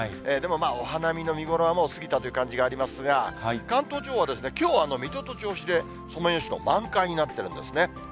でも、お花見の見頃はもう過ぎたという感じがありますが、関東地方は、きょう、水戸と銚子でソメイヨシノ、満開になっているんですね。